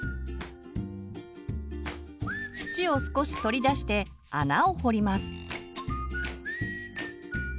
土を少し取り出して穴を掘ります。